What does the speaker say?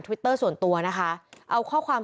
วิตเตอร์ส่วนตัวนะคะเอาข้อความ